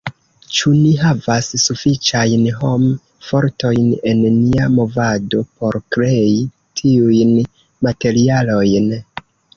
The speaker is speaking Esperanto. Ĉu ni havas sufiĉajn hom-fortojn en nia movado por krei tiujn materialojn?